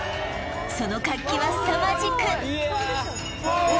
その活気はすさまじくうわー！